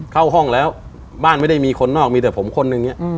เข้าห้องแล้วบ้านไม่ได้มีคนนอกมีแต่ผมคนนึงเนี่ย